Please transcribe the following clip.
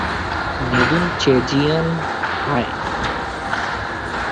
Nedunchezhiyan, হায়!